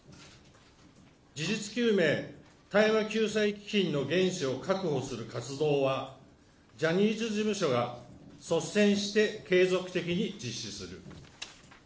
事実究明・対話救済基金の原資を確保する活動は、ジャニーズ事務所が率先して継続的に実施する。